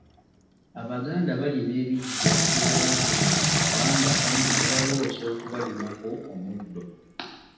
Abaganda balima ebiggya by'abantu baabwe kubanga abamu babaloosa okubalimako omuddo.